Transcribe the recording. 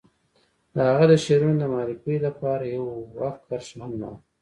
د هغه د شعرونو د معرفي لپاره يوه کرښه هم نه وه.